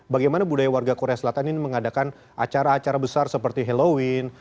bagaimana budaya warga korea selatan ini mengadakan acara acara besar seperti halloween